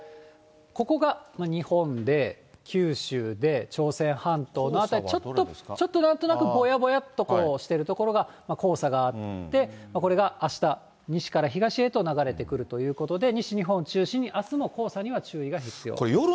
ここが日本で、九州で、朝鮮半島の辺り、ちょっと、なんとなくぼやぼやっとしている所が黄砂があって、これがあした、西から東へと流れてくるということで、西日本中心に、あすも黄砂には注意が必要です。